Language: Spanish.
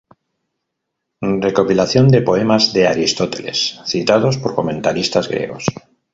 Recopilación de poemas de Aristóteles citados por comentaristas griegos.